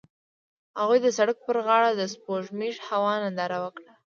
هغوی د سړک پر غاړه د سپوږمیز هوا ننداره وکړه.